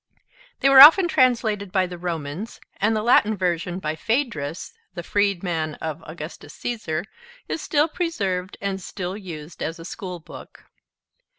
They were often translated by the Romans, and the Latin version by Phaedrus, the freedman of Augustus Caesar, is still preserved and still used as a school book.